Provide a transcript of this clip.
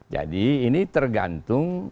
jadi ini tergantung